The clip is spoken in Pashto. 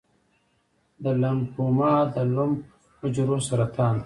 د لمفوما د لمف حجرو سرطان دی.